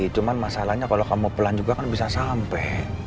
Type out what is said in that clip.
cuma masalahnya ende kan kalo kamu pelan bisa sampe